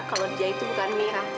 kalau dia itu bukan merah